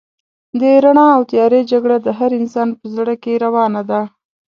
د رڼا او تيارې جګړه د هر انسان په زړه کې روانه ده.